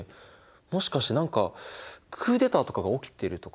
もしかして何かクーデターとかが起きてるとか？